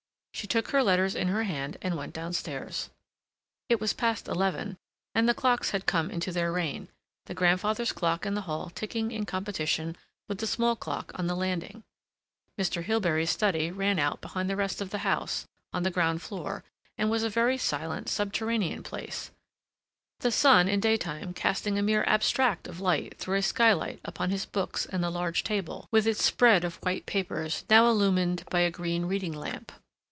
She took her letters in her hand and went downstairs. It was past eleven, and the clocks had come into their reign, the grandfather's clock in the hall ticking in competition with the small clock on the landing. Mr. Hilbery's study ran out behind the rest of the house, on the ground floor, and was a very silent, subterranean place, the sun in daytime casting a mere abstract of light through a skylight upon his books and the large table, with its spread of white papers, now illumined by a green reading lamp.